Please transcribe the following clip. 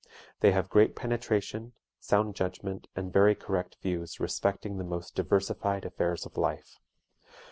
They have great penetration, sound judgment, and very correct views respecting the most diversified affairs of life.